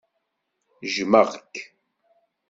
Jjmeɣ-k.